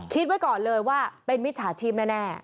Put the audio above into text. ไว้ก่อนเลยว่าเป็นมิจฉาชีพแน่